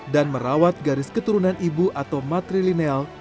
dan merawat garis keturunan ibu atau matrilineal